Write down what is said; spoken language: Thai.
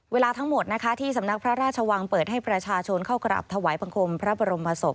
เวลาทั้งหมดนะคะที่สำนักพระราชวังเปิดให้ประชาชนเข้ากราบถวายบังคมพระบรมศพ